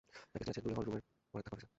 প্যাকেজটি আছে, দুই hall room এর পরের থাকা অফিসে।